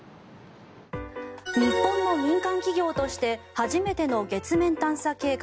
日本の民間企業として初めての月面探査計画